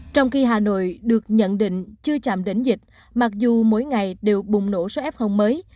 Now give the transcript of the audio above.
trong khi hà nội được nhận định chưa chạm đỉnh dịch mặc dù mỗi ngày đều bùng nổ số f mới